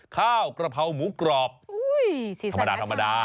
ข้าวกระเพราหมูกรอบธรรมดา